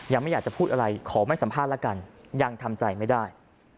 ยังไม่อยากจะพูดอะไรขอไม่สัมภาษณ์ละกันยังทำใจไม่ได้